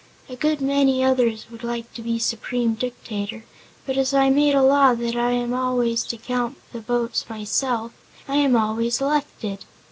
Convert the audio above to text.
A good many others would like to be Supreme Dictator, but as I made a law that I am always to count the votes myself, I am always elected."